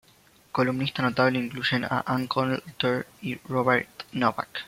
Columnistas notables incluyen a Ann Coulter y Robert Novak.